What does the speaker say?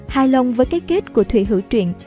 hài lòng với cái kết của thủy hữ truyện